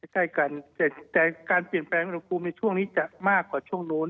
ใกล้กันแต่การเปลี่ยนแปลงอุณหภูมิในช่วงนี้จะมากกว่าช่วงนู้น